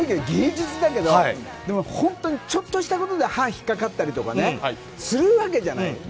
芸術だけど本当にちょっとしたことで刃が引っかかったりとかするわけじゃない。